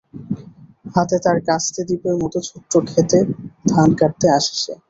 হাতে তার কাস্তে দ্বীপের মতো ছোট্ট খেতে ধান কাটতে আসে সে।